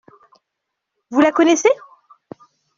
Vous la connaissez ?